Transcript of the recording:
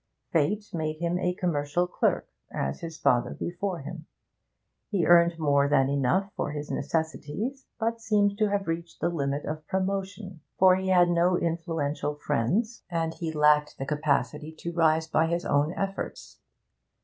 Fate made him a commercial clerk as his father before him; he earned more than enough for his necessities, but seemed to have reached the limit of promotion, for he had no influential friends, and he lacked the capacity to rise by his own efforts.